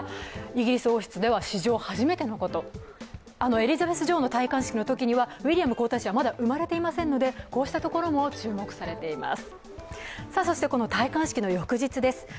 エリザベス女王の戴冠式のときにはウィリアム皇太子はまだ生まれていませんのでこうしたところも注目されています。